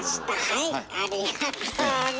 はいありがとうね。